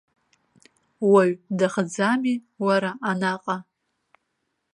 Уаҩ дахӡами, уара, анаҟа?